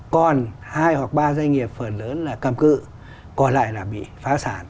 còn hai hoặc ba doanh nghiệp phần lớn là cầm cự còn lại là bị phá sản